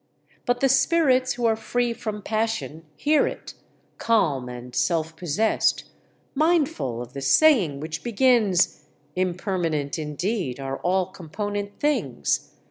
"But the spirits who are free from passion hear it, calm and self possessed, mindful of the saying which begins, 'Impermanent indeed are all component things.